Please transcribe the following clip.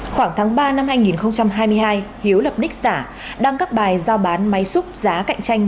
khoảng tháng ba năm hai nghìn hai mươi hai hiếu lập đích giả đăng các bài giao bán máy xúc giá cạnh tranh